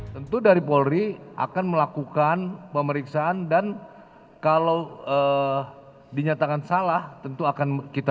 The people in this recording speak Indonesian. tentu dari polri akan melakukan pemeriksaan dan kalau dinyatakan salah tentu akan kita